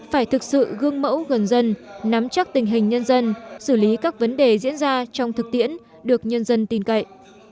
phải thực sự gương mẫu gần dân nắm chắc tình hình nhân dân xử lý các vấn đề diễn ra trong thực tiễn được nhân dân tin cậy